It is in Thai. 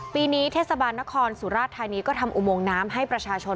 ปีนี้เทศบาลนครสุราชธานีก็ทำอุโมงน้ำให้ประชาชน